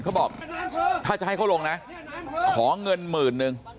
เขาบอกถ้าจะให้เขาลงนะขอเงินหมื่นนึง